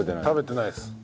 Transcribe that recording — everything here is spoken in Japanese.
食べてないです。